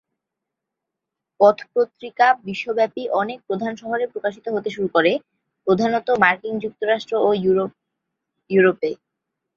পথ পত্রিকা বিশ্বব্যাপী অনেক প্রধান শহরে প্রকাশিত হতে শুরু করে, প্রধানত মার্কিন যুক্তরাষ্ট্র ও পশ্চিম ইউরোপে।